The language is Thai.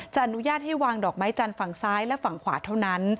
อนุญาตให้วางดอกไม้จันทร์ฝั่งซ้ายและฝั่งขวาเท่านั้น